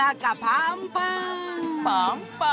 パンパン。